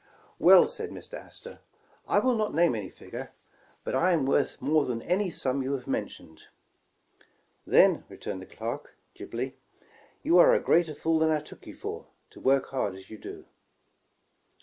'* 'Well,* said Mr. Astor, 'I will not name any fig ure, but I am worth more than any sum you have men tioned. '*Then,' returned the clerk, glibly, 'you are a greater fool than I took you for, to work hard as you do.